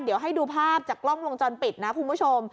เดี๋ยวให้ดูภาพจากกล้องวงจรปิดนะคุณผู้ชม